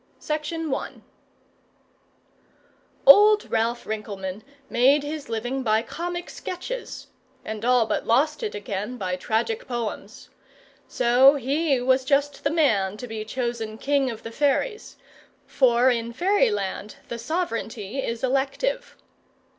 THE SHADOWS Old Ralph Rinkelmann made his living by comic sketches, and all but lost it again by tragic poems. So he was just the man to be chosen king of the fairies, for in Fairyland the sovereignty is elective.